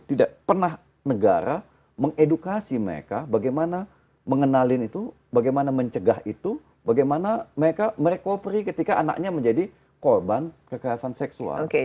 tidak pernah negara mengedukasi mereka bagaimana mengenalin itu bagaimana mencegah itu bagaimana mereka merekoperi ketika anaknya menjadi korban kekerasan seksual